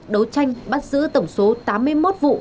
đấu tranh bắt giữ tổng số tám mươi một vụ